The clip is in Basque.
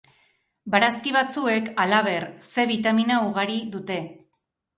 Barazki batzuek, halaber, C bitamina ugari dute.